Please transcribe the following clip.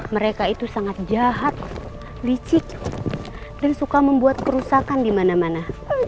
mereka itu sangat jahat licik dan suka membuat kerusakan di mana mana